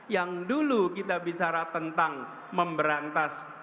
yang dulu kita bicara tentang memberantas